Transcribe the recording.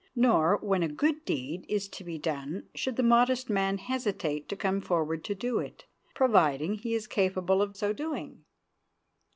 Nor when a good deed is to be done should the modest man hesitate to come forward to do it, providing he is capable of so doing.